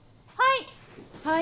・はい！